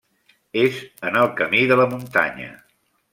És en el Camí de la Muntanya.